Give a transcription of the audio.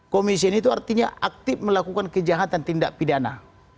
komisioner itu artinya aktif melakukan kejahatan tindak pidana